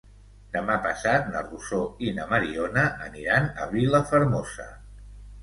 Demà passat na Rosó i na Mariona aniran a Vilafermosa.